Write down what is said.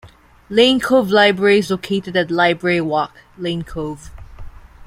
Lane Cove Library is located at Library Walk, Lane Cove.